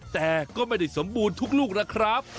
แต่ก็ไม่ได้สมบูรณ์ทุกลูกนะครับ